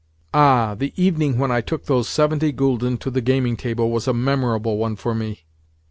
Ah, the evening when I took those seventy gülden to the gaming table was a memorable one for me.